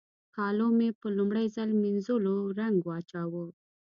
کالو مې په لومړي ځل مينځول رنګ واچاوو.